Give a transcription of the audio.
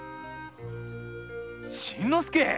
新之助！